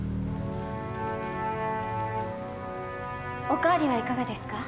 おかわりはいかがですか？